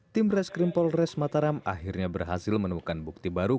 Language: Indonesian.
tim reskrim polres mataram akhirnya berhasil menemukan bukti baru